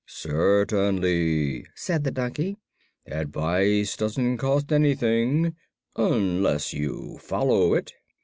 "Certainly," said the donkey. "Advice doesn't cost anything unless you follow it.